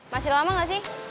masih lama gak sih